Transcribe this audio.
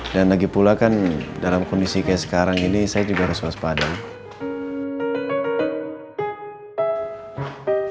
dan lagi pula kan dalam kondisi kayak sekarang ini saya juga harus waspadang